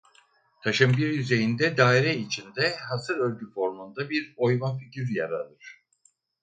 Taşın bir yüzeyinde daire içinde hasır örgü formunda bir oyma figür yer alır.